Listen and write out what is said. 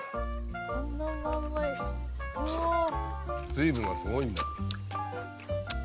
水分がすごいんだ。